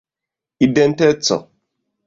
identeco